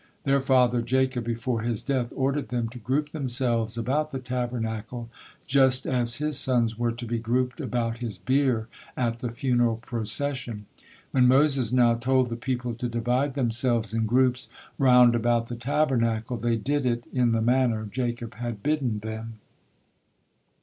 Their father Jacob before his death ordered them to group themselves about the Tabernacle just as his sons were to be grouped about his bier at the funeral procession." When Moses now told the people to divide themselves in groups round about the Tabernacle, they did it in the manner Jacob had bidden them.